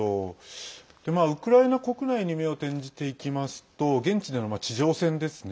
ウクライナ国内に目を転じていきますと現地での地上戦ですね。